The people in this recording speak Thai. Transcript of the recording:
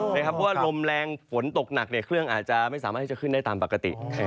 เพราะว่าลมแรงฝนตกหนักเครื่องอาจจะไม่สามารถที่จะขึ้นได้ตามปกติ